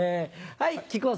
はい。